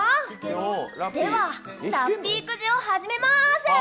ではラッピーくじを始めます。